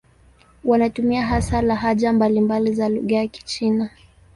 Wanatumia hasa lahaja mbalimbali za lugha ya Kichina.